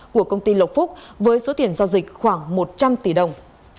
của công ty lộc phúc với số tiền giao dịch khoảng một trăm linh tỷ đồng